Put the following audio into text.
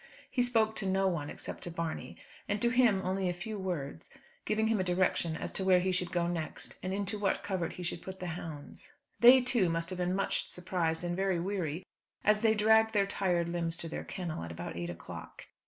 He spoke to no one, except to Barney, and to him only a few words; giving him a direction as to where he should go next, and into what covert he should put the hounds. They, too, must have been much surprised and very weary, as they dragged their tired limbs to their kennel, at about eight o'clock.